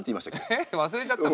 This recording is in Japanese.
えっ忘れちゃったの？